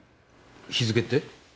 日付って？